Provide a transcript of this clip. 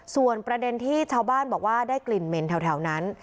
ส่วนประเด็นที่ชาวบ้านบอกว่าได้กลิ่นเหม็นแถวนั้น